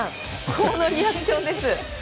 このリアクションです。